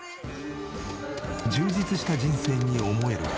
充実した人生に思えるが。